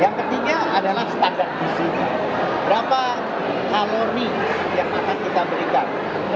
yang ketiga adalah standar di sini berapa harmoni yang akan kita berikan